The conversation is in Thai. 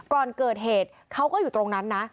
ก่อนเกิดเหตุเขาก็อยู่ตรงนั้นนะ